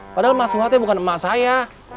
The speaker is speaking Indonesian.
padahal mas suha tuh bukan emak saya